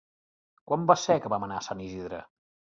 Quan va ser que vam anar a Sant Isidre?